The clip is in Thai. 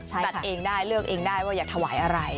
จัดเองได้เลือกเองได้ว่าอยากถวายอะไร